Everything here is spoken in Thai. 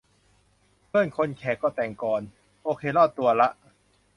เพื่อนคนแขกก็แต่งกลอน โอเครอดตัวละ